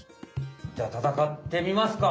じゃあたたかってみますか？